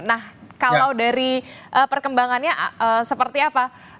nah kalau dari perkembangannya seperti apa